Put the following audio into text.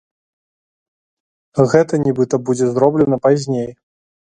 Гэта нібыта будзе зроблена пазней.